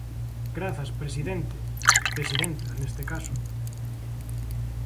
Grazas, presidente; presidenta, neste caso.